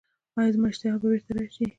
ایا زما اشتها به بیرته راشي؟